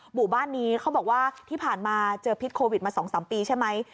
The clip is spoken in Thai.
หมู่บ้านนี้เขาบอกว่าที่ผ่านมาเจอพิษโควิดมา๒๓ปีใช่ไหม